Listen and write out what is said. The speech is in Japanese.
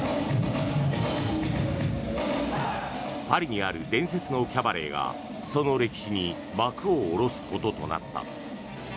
パリにある伝説のキャバレーがその歴史に幕を下ろすこととなった。